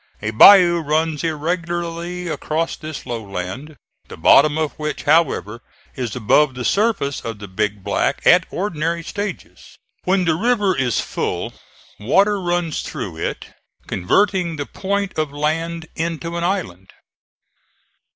A bayou runs irregularly across this low land, the bottom of which, however, is above the surface of the Big Black at ordinary stages. When the river is full water runs through it, converting the point of land into an island.